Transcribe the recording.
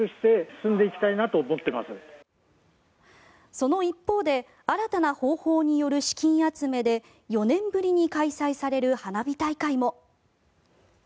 その一方で新たな方法による資金集めで４年ぶりに開催される花火大会も。